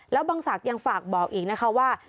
แล้วบังศักดิ์ยังฝากบอกอีกนะคะว่า